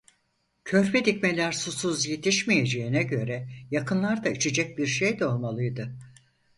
Körpe dikmeler susuz yetişmeyeceğine göre, yakınlarda içecek bir şey de olmalıydı…